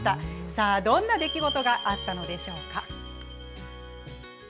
さあ、どんな出来事があったのでしょうか。